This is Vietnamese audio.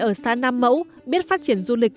ở xã nam mẫu biết phát triển du lịch